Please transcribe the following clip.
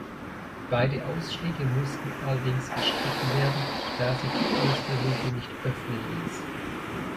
Beide Ausstiege mussten allerdings gestrichen werden, da sich die äußere Luke nicht öffnen ließ.